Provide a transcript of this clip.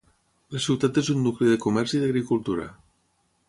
La ciutat és un nucli de comerç i d'agricultura.